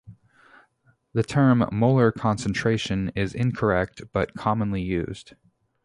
The term "molar concentration" is incorrect, but commonly used.